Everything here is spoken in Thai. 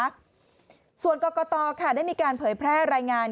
ส่วนกรกตค่ะได้มีการเผยแพร่รายงาน